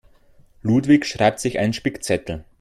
Ludwig schreibt sich einen Spickzettel.